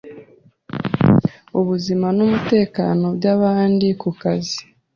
ubuzima n’umutekano by’abandi ku kazi;